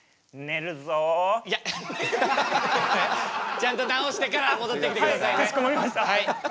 ちゃんと治してから戻ってきてくださいね。